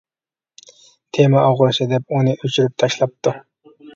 تېما ئوغرىسى دەپ ئۇنى ئۆچۈرۈپ تاشلاپتۇ.